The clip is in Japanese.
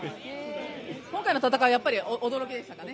今回の戦いはやっぱり驚きでしたかね？